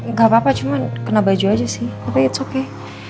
nggak apa apa cuma kena baju aja sih tapi it's okay